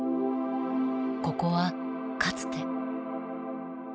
ここはかつて。